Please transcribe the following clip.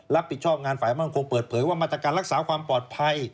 รับผิดชอบงานฝ่ายบ้างคงเปิดเผยว่ามาตรการรักษาความปลอดภัย